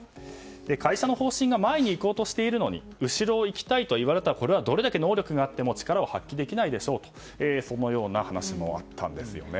会社の方針が前に行こうとしているのに後ろを行きたいと言われたらこれはどれだけ能力があっても力を発揮できないでしょうとそのような話もあったんですよね。